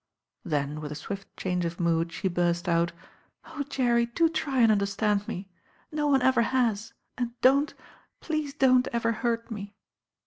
Then with a swift change of mood she burst out, "Oh, Jerry, do try and understand me ! No one ever has, and don't, please don't, ever hurt me."